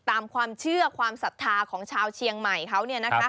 ตามความเชื่อความศรัทธาของชาวเชียงใหม่เขา